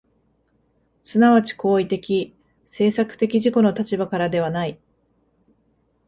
即ち行為的・制作的自己の立場からではない。